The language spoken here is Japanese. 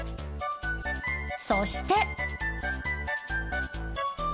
そして。